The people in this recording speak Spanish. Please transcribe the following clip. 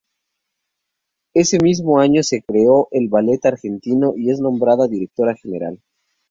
Ese mismo año se creó el Ballet Argentino y es nombrada directora general.